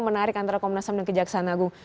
menarik antara komnas ham dan kejaksaan agung